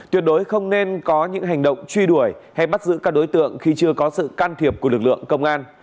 tuyệt đối không nên có những hành động truy đuổi hay bắt giữ các đối tượng khi chưa có sự can thiệp của lực lượng công an